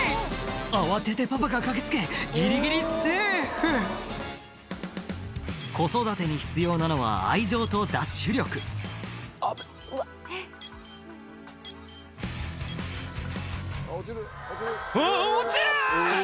慌ててパパが駆け付けギリギリセーフ子育てに必要なのは愛情とダッシュ力「あぁ落ちる！」